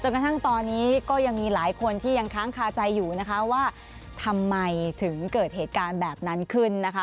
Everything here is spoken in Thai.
กระทั่งตอนนี้ก็ยังมีหลายคนที่ยังค้างคาใจอยู่นะคะว่าทำไมถึงเกิดเหตุการณ์แบบนั้นขึ้นนะคะ